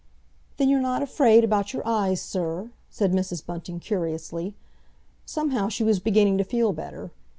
"Then you're not afraid about your eyes, sir?" said Mrs. Bunting curiously. Somehow she was beginning to feel better.